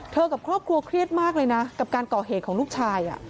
กับครอบครัวเครียดมากเลยนะกับการก่อเหตุของลูกชาย